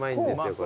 これ。